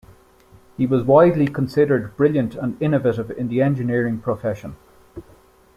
He was widely considered brilliant and innovative in the engineering profession.